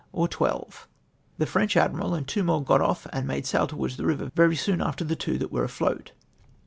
or twelve^* " The French admiral and two more got off and made sail towards the river, very soon after the two that were afloat."